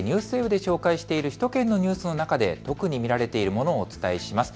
ＮＨＫＮＥＷＳＷＥＢで紹介している首都圏のニュースの中で特に見られているものをお伝えします。